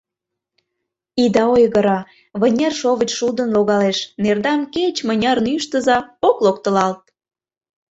— Ида ойгыро: вынер шовыч шулдын логалеш, нердам кеч-мыняр нӱштыза, ок локтылалт...